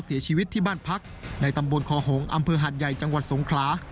เสียชีวิตที่บ้านพักในตำบลคอหงษ์อำเภอหาดใหญ่จังหวัดสงขลา